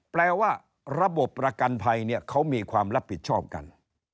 แปลว่าระบบประกันภัยเนี่ยเขามีความรับผิดชอบกัน